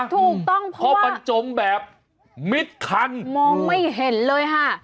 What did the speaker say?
ถูกต้องเพราะมันจมแบบมิดคันมองไม่เห็นเลยค่ะ